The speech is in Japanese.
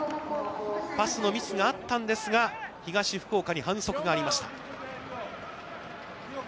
パスのミスがあったんですが、東福岡に反則がありました。